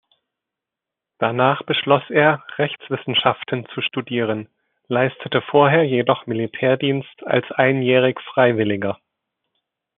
Danach beschloss er, Rechtswissenschaften zu studieren, leistete vorher jedoch Militärdienst als Einjährig-Freiwilliger.